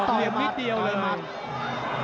เหลี่ยมนิดเดียวเลย